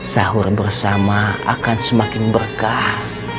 sahur bersama akan semakin berkah